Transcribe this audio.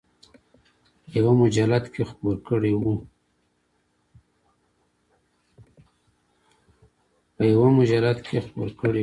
په یوه مجلد کې خپور کړی و.